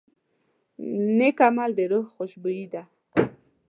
نیک عمل د روح خوشبويي ده.